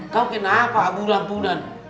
kau kenapa abu lampunan